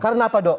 karena apa dok